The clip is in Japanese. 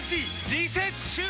リセッシュー！